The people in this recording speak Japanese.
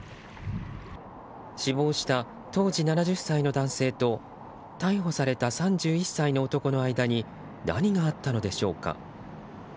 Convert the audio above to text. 死亡した当時７０歳の男性と逮捕された３１歳の男の間に何があったのでしょうか？